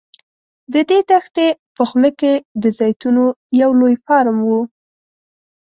د دې دښتې په خوله کې د زیتونو یو لوی فارم و.